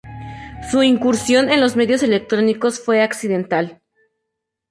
Su incursión en los medios electrónicos fue accidental.